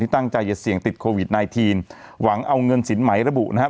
ตั้งใจจะเสี่ยงติดโควิด๑๙หวังเอาเงินสินไหมระบุนะครับ